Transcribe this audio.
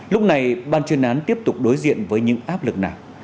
lúc này ban chuyên án tiếp tục đối diện với những áp lực nào